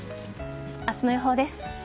明日の予報です。